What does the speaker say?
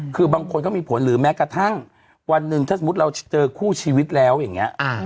คือบางคนก็มีผลหรือแม้กระทั่งวันหนึ่งถ้าสมมุติเราเจอคู่ชีวิตแล้วอย่างนี้